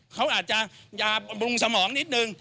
เขาอาจจะยาบำรุงสมองนิดนึง